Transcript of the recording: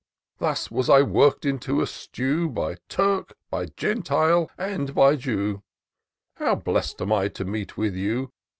Thus was I work'd into a stew, By Turk, by Gentile, and by Jew : How bless'd am I to meet with you